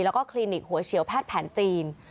แล้วก็คลินิกหัวเฉียวแพทย์แผนจีน